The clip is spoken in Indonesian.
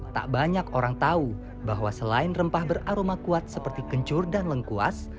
tak banyak orang tahu bahwa selain rempah beraroma kuat seperti kencur dan lengkuas